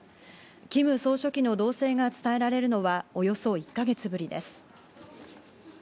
キム総書記の動静が伝えられるのはおよそ１か月ぶりです。